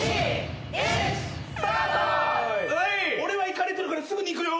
俺はいかれてるからすぐにいくよ。